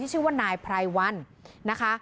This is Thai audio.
ที่ชื่องว่านายไฟวัลนะคะ